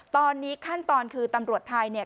ตอนนี้ขั้นตอนคือตำรวจไทยเนี่ย